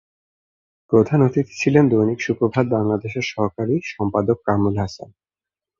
প্রধান অতিথি ছিলেন দৈনিক সুপ্রভাত বাংলাদেশ-এর সহকারী সম্পাদক কামরুল হাসান।